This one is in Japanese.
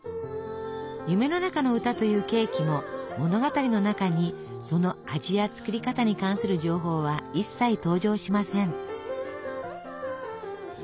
「夢の中の歌」というケーキも物語の中にその味や作り方に関する情報は一切登場しません。